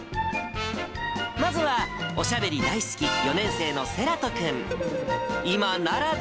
まずはおしゃべり大好き、４年生のせらと君。